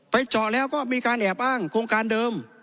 เจาะแล้วก็มีการแอบอ้างโครงการเดิม